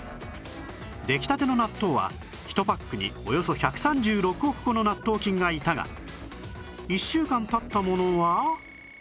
出来立ての納豆は１パックにおよそ１３６億個の納豆菌がいたが１週間経ったものは